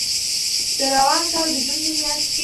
د روان کال د جون په میاشت کې